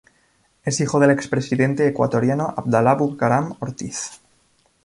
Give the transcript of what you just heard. Es hijo del expresidente ecuatoriano Abdalá Bucaram Ortiz.